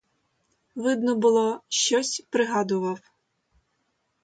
Видно було — щось пригадував.